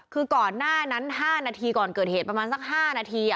คือก่อนหน้านั้น๕นาทีก่อนเกิดเหตุประมาณสัก๕นาที